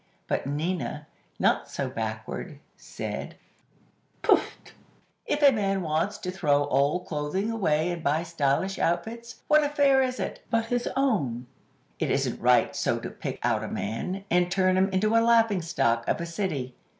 But Nina, not so backward, said: "Pffft! If a man wants to throw old clothing away and buy stylish outfits, what affair is it, but his own? It isn't right so to pick out a man, and turn him into a laughing stock of a city.